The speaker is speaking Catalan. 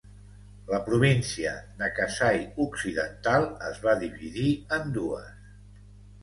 La província de Kasai Occidental es va dividir en dues.